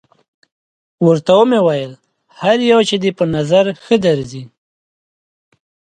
ورته ومې ویل: هر یو چې دې په نظر ښه درځي.